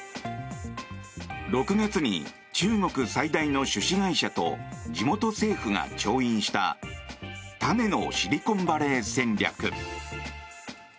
６月に中国最大の種子会社と地元政府が調印した種のシリコンバレー戦略。